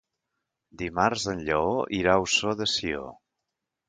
Dimarts en Lleó irà a Ossó de Sió.